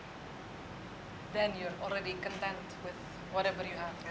kemudian kamu sudah senang dengan apa saja yang kamu punya